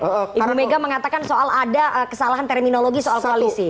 ibu mega mengatakan soal ada kesalahan terminologi soal koalisi